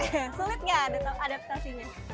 sulit nggak adaptasinya